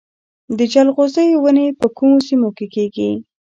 د جلغوزیو ونې په کومو سیمو کې کیږي؟